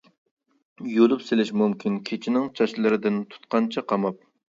يۇلۇپ سېلىش مۇمكىن كېچىنىڭ، چاچلىرىدىن تۇتقانچە قاماپ.